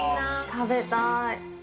食べたい。